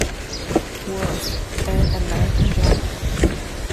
Worth, an American general.